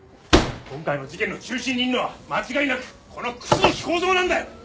今回の事件の中心にいるのは間違いなくこの楠木孝蔵なんだよ！